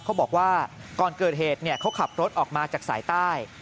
บอกว่าก่อนเกิดเหตุเขาขับรถออกมาจากสายใต้